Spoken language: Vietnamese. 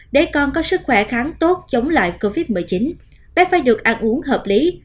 để con có sức khỏe kháng tốt chống lại covid một mươi chín bé phải được ăn uống hợp lý